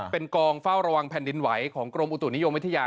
เป็นกองเฝ้าระวังแผ่นดินไหวของกรมอุตุนิยมวิทยา